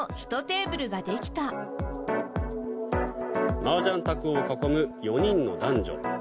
マージャン卓を囲む４人の男女。